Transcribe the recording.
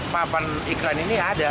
papan iklan ini ada